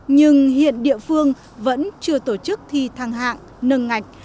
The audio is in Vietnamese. nhưng hiện địa phương vẫn chưa tổ chức thi thăng hạng nâng ngạch